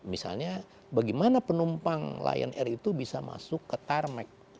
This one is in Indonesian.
misalnya bagaimana penumpang lion air itu bisa masuk ke tarmect